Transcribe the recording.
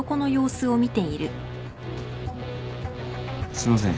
すいません。